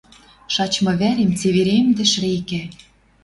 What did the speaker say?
Шачмы вӓрем цеверемдӹш рекӓ!